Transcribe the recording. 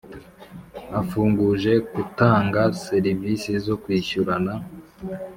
afunguje k utanga serivisi zo kwishyurana